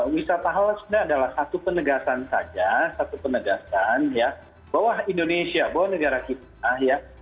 wisata halal sebenarnya adalah satu penegasan saja satu penegasan ya bahwa indonesia bahwa negara kita ya